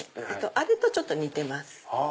あれとちょっと似てます。